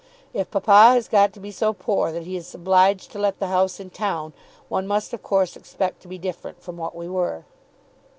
If papa has got to be so poor that he is obliged to let the house in town, one must of course expect to be different from what we were.